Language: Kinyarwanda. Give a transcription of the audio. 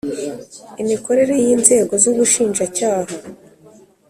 imikorere y inzego zubushinjacyaha